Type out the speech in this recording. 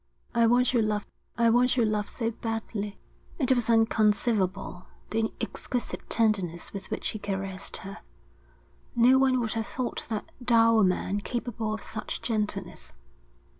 'I want your love. I want your love so badly.' It was inconceivable, the exquisite tenderness with which he caressed her. No one would have thought that dour man capable of such gentleness.